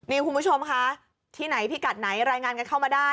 นี่คุณผู้ชมค่ะที่ไหนพิกัดไหนรายงานกันเข้ามาได้